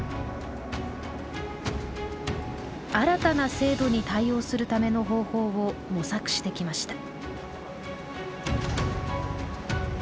新たな制度に対応するための方法を模索してきました。